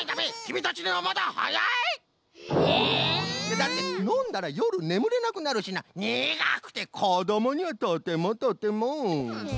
だってのんだらよるねむれなくなるしなにがくてこどもにはとてもとても。